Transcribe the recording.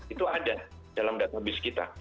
itu ada dalam database kita